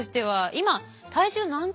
今？